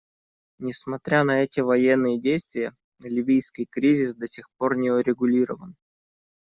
Несмотря на эти военные действия, ливийский кризис до сих пор не урегулирован.